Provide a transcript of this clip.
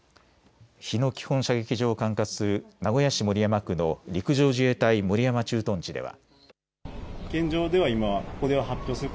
日野基本射撃場を管轄する名古屋市守山区の陸上自衛隊守山駐屯地では。